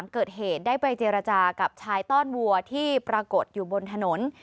เกิดเหตุได้ไปเจรจากับชายต้อนวัวที่ปรากฏอยู่บนถนน